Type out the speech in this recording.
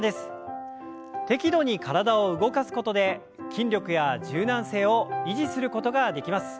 適度に体を動かすことで筋力や柔軟性を維持することができます。